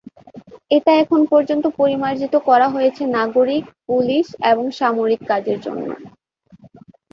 এটা এখন পর্যন্ত পরিমার্জিত করা হয়েছে নাগরিক, পুলিশ এবং সামরিক কাজের জন্য।